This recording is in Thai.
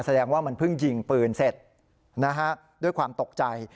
แสดงว่ามันเพิ่งยิงปืนเสร็จนะฮะด้วยความตกใจ